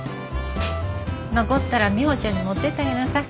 残ったらミホちゃんに持ってってあげなさい。